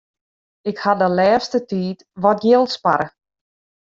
Ik haw de lêste tiid wat jild sparre.